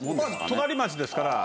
隣町ですから。